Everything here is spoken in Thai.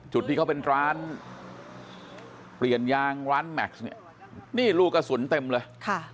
จุดที่เขาเป็นร้านเปลี่ยนยางร้านแม็กซ์เนี่ยนี่รูกระสุนเต็มเลยค่ะ